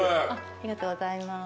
ありがとうございます。